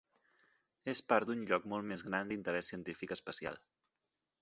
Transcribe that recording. És part d'un lloc molt més gran d'interès científic especial.